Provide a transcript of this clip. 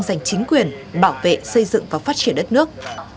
giành chính quyền bảo vệ xây dựng và phát triển đất nước